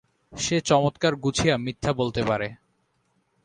সে চমৎকার গুছিয়ে মিথ্যা বলতে পারে।